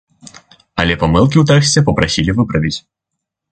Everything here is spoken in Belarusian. Але памылкі ў тэксце папрасілі выправіць.